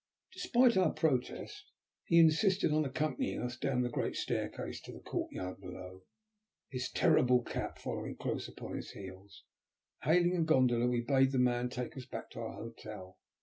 Despite our protest, he insisted on accompanying us down the great staircase to the courtyard below, his terrible cat following close upon his heels. Hailing a gondola, we bade the man take us back to our hotel.